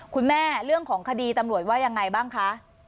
เรื่องของคดีตำรวจว่ายังไงบ้างคะ